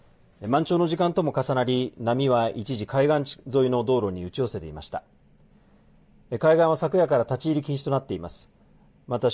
満潮の時間とも重なり、波は一時、海岸沿いの道路に打ち寄せていました。